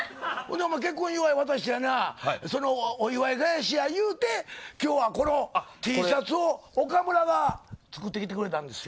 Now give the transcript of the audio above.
結婚祝い渡してやなお祝い返しや言うて、今日はこのＴシャツを岡村が作ってきてくれたんですよ。